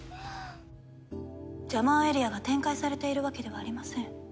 ジャマーエリアが展開されているわけではありません。